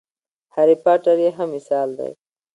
هرې پاټر یې ښه مثال دی.